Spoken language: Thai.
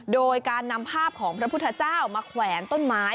โดยการนำภาพของพระพุทธเจ้ามาแขวนต้นไม้